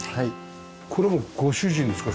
これはご主人ですか？